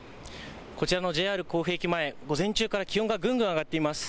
こちらのＪＲ甲府駅前、午前中から気温がぐんぐん上がっています。